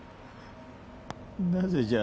なぜじゃ？